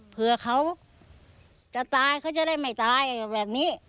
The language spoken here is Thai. เผื่อเขาจะตายเขาจะได้ไม่ตายแบบนี้